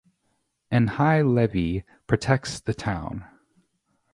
An high levee protects the town.